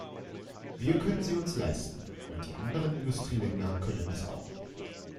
Wir können sie uns leisten, und die anderen Industrieländer können es auch.